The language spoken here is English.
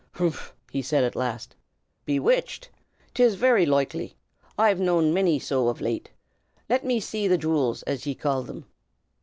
"Humph!" he said at last. "Bewitched? 'tis very loikely. I've known many so of late. Let me see the jew'ls, as ye call thim."